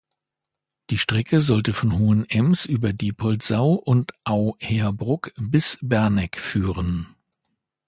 Die Strecke sollte von Hohenems über Diepoldsau und Au–Heerbrugg bis Berneck führen.